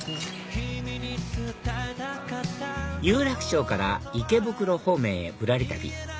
有楽町から池袋方面へぶらり旅